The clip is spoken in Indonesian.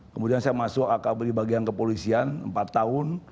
kemudian saya masuk akb di bagian kepolisian empat tahun